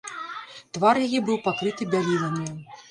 Твар яе быў пакрыты бяліламі.